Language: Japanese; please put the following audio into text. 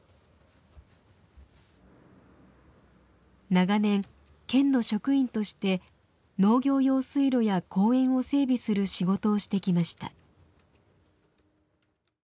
長年県の職員として農業用水路や公園を整備する仕事をしてきました。